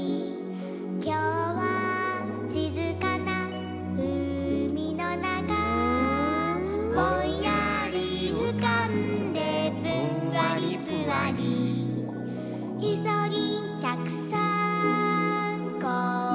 「きょうはしずかなうみのなか」「ぼんやりうかんでぷんわりぷわり」「いそぎんちゃくさんこんにちは！」